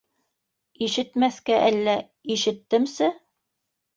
Ишетмәҫкә әллә, ишеттемсе.